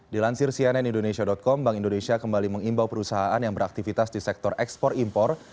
dilansir cnn indonesia com bank indonesia kembali mengimbau perusahaan yang beraktivitas di sektor ekspor impor